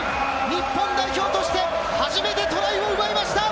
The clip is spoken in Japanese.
日本代表として初めてトライを奪いました！